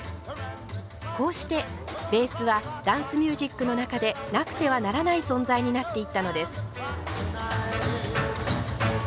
こうしてベースはダンスミュージックの中でなくてはならない存在になっていったのです。